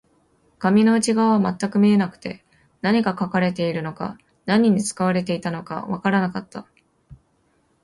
紙の内側は全く見えなくて、何が書かれているのか、何に使われていたのかわからなかった